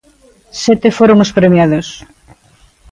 Sete foron os premiados.